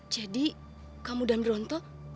jadi kamu dan bronto